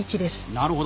なるほど。